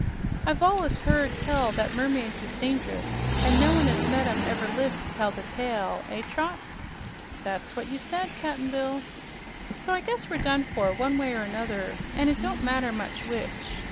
I've allus heard tell that mermaids is dangerous, an' no one as met 'em ever lived to tell the tale. Eh, Trot?" "That's what you said, Cap'n Bill." "So I guess we're done for, one way 'r 'nother, an' it don't matter much which.